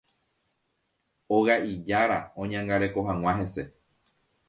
oga'i jára oñangareko hag̃ua hese.